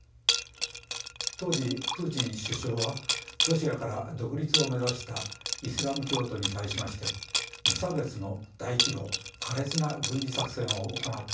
当時プーチン首相はロシアから独立を目指したイスラム教徒に対しまして無差別の大規模苛烈な軍事作戦を行ってこれを鎮圧しました。